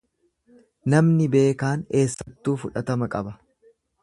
Namni beekaan eessattuu fudhatama qaba.